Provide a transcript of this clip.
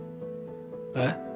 えっ？